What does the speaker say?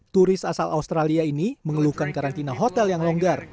turis asal australia ini mengeluhkan karantina hotel yang longgar